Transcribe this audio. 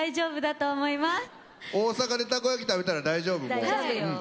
大阪でたこ焼き食べたら大丈夫もう。